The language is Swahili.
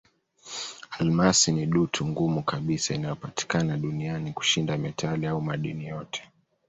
Almasi ni dutu ngumu kabisa inayopatikana duniani kushinda metali au madini yote.